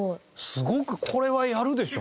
すごくこれはやるでしょ。